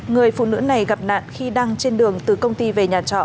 người phụ nữ này gặp nạn khi đang trên đường từ công ty về nhà trọ ở huyện bình chánh